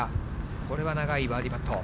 これは長いバーディーパット。